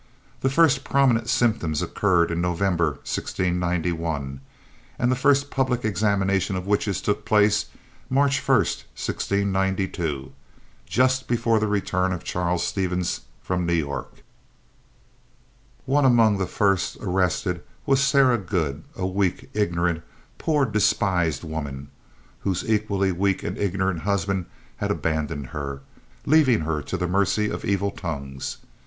The first prominent symptoms occurred in November, 1691, and the first public examination of witches took place March 1st, 1692, just before the return of Charles Stevens from New York. One among the first arrested was Sarah Good, a weak, ignorant, poor, despised woman, whose equally weak and ignorant husband had abandoned her, leaving her to the mercy of evil tongues.